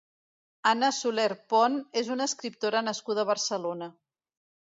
Anna Soler-Pont és una escriptora nascuda a Barcelona.